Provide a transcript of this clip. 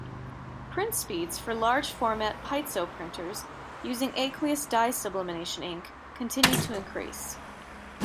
Print speeds for large-format piezo printers using aqueous dye sublimation ink continue to increase.